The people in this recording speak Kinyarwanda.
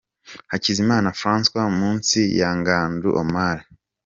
Hakizimana Francois munsi ya Ngandou Omar.